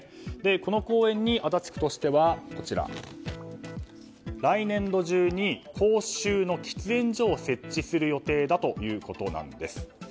この公園に足立区としては来年度中に公衆の喫煙所を設置する予定だということです。